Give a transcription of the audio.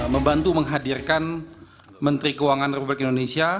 membantu menghadirkan menteri keuangan republik indonesia